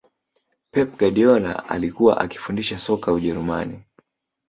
pep guardiola alikuwa akifundisha soka ujerumani